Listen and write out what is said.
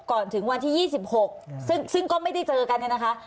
ก่อนถึงวันที่๒๖ซึ่งก็ไม่ได้เจอกันเนี่ยนะคะ